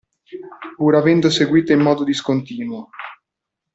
Pur avendo seguito in modo discontinuo.